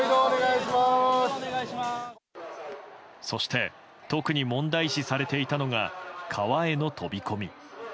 そして特に問題視されていたのが川への飛び込み。